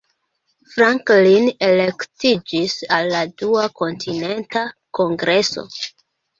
Franklin elektiĝis al la Dua Kontinenta Kongreso.